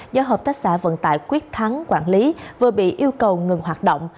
do hợp tác xã vận tải quyết thắng quản lý vừa bị yêu cầu ngừng hoạt động